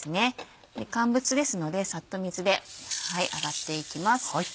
乾物ですのでサッと水で洗っていきます。